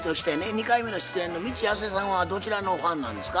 ２回目の出演の未知やすえさんはどちらのファンなんですか？